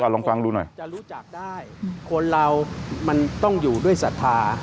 ลองฟังดูหน่อยจะรู้จักได้คนเรามันต้องอยู่ด้วยศรัทธา